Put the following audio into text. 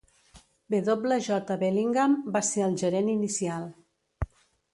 W. J. Bellingham va ser el gerent inicial.